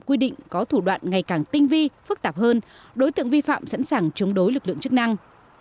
quy định có thủ đoạn ngày càng tinh vi phức tạp hơn đối tượng vi phạm sẵn sàng chống đối lực lượng chức năng